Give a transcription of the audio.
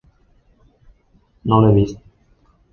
No l'he vist.